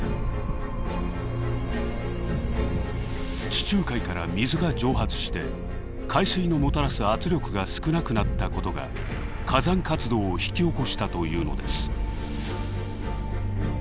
地中海から水が蒸発して海水のもたらす圧力が少なくなったことが火山活動を引き起こしたというのです。